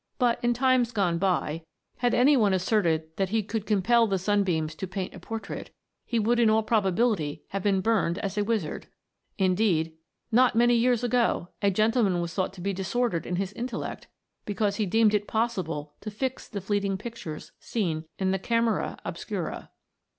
But in times gone by, had any one asserted 102 THE MAGIC OP THE SUNBEAM. that he could compel the sunbeams to paint a por trait, he would in all probability have been burned as a wizard ; indeed, not many years ago a gentle man was thought to be disordered in his intellect, because he deemed it possible to fix the fleeting pic tures seen in the camera obscura.